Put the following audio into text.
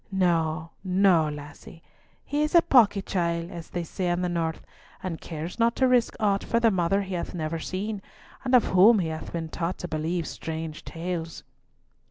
No, no, lassie; he is a pawky chiel, as they say in the north, and cares not to risk aught for the mother he hath never seen, and of whom he hath been taught to believe strange tales."